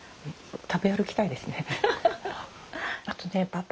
食べ歩きたいですね。